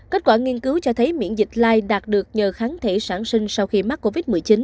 kết quả nghiên cứu cho thấy miễn dịch lai đạt được nhờ kháng thể sản sinh sau khi mắc covid một mươi chín